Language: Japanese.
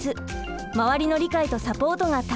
周りの理解とサポートが大切です。